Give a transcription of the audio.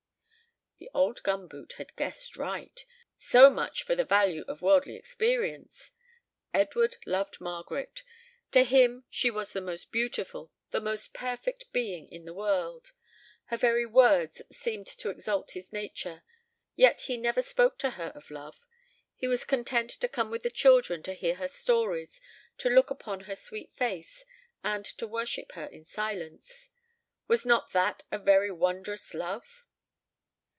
The old gum boot had guessed aright so much for the value of worldly experience! Edward loved Margaret; to him she was the most beautiful, the most perfect being in the world; her very words seemed to exalt his nature. Yet he never spoke to her of love. He was content to come with the children to hear her stories, to look upon her sweet face, and to worship her in silence. Was not that a very wondrous love?